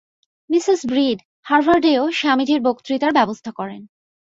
Mrs Breed হার্ভার্ডেও স্বামীজীর বক্তৃতার ব্যবস্থা করেন।